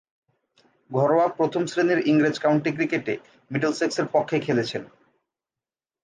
ঘরোয়া প্রথম-শ্রেণীর ইংরেজ কাউন্টি ক্রিকেটে মিডলসেক্সের পক্ষে খেলেছেন।